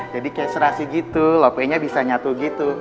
jadi kayak serasi gitu lope nya bisa nyatu gitu